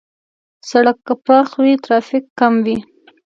سړک که پراخ وي، ترافیک کم وي.